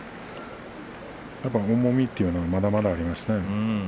重みというのはまだまだありますね。